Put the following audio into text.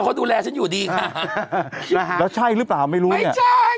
เขาดูแลฉันอยู่ดีค่ะนะฮะแล้วใช่หรือเปล่าไม่รู้เนี่ยใช่